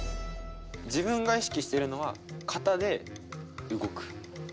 自分が意識してるのは肩で動く。